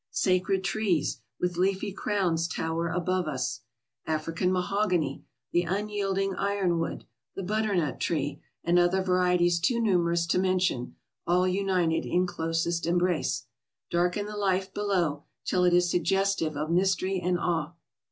Sacred trees, with leafy crowns, tower above us. African mahogany, the un yielding iron wood, the butternut tree, and other varieties too numerous to mention, all united in closest embrace, darken the life below till it is suggestive of mystery and awe.